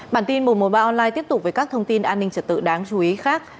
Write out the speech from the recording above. bản tin một trăm một mươi ba online tiếp tục với các thông tin an ninh trật tự đáng chú ý khác